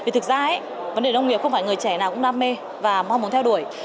thực ra vấn đề nông nghiệp không phải người trẻ nào cũng đam mê và mong muốn theo đuổi